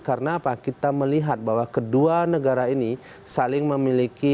karena apa kita melihat bahwa kedua negara ini saling memiliki